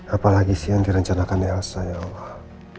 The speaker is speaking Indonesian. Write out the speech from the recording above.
apalagi sih yang direncanakan ya astagfirullah